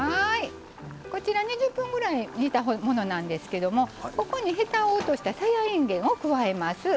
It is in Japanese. こちら２０分ぐらい煮たものなんですけどここにへたを落としたさやいんげんを加えます。